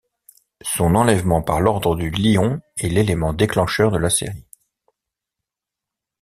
Son enlèvement par l'Ordre du Lion est l'élément déclencheur de la série.